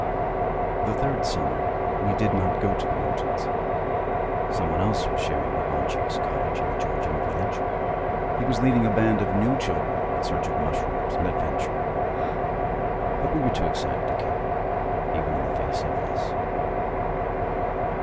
II The third summer we did not go to the mountains. Some one else was sharing Babanchik's cottage in the Georgian village; he was leading a band of new children in search of mushrooms and adventure. But we were too excited to care, even in the face of this.